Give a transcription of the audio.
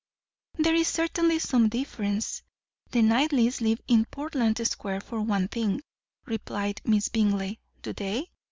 "There is certainly some difference; the Knightleys live in Portland Square, for one thing," replied Miss Bingley. "Do they?